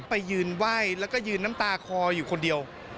ไปยืนไหว้แล้วก็ยืนน้ำตาคออยู่คนเดียว